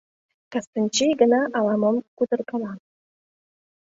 Кыстинчи гына ала-мом кутыркала.